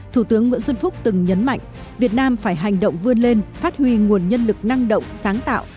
thủ tướng nguyễn xuân phúc từng nhấn mạnh việt nam phải hành động vươn lên phát huy nguồn nhân lực năng động sáng tạo